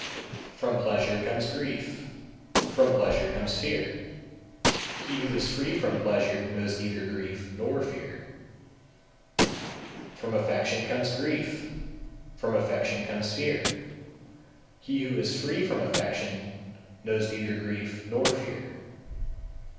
212. From pleasure comes grief, from pleasure comes fear; he who is free from pleasure knows neither grief nor fear. 213. From affection comes grief, from affection comes fear; he who is free from affection knows neither grief nor fear.